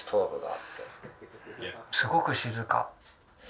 すごく静か。